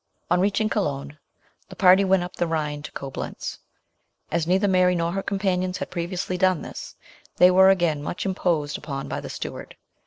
On reaching Cologne, the party went up the Rhine to Coblentz. As neither Mary nor her companions had previously done this, they were again much imposed upon by the steward.